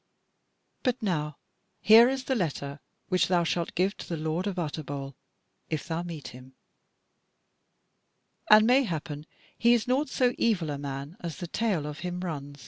But now here is the letter which thou shalt give to the Lord of Utterbol if thou meet him; and mayhappen he is naught so evil a man as the tale of him runs."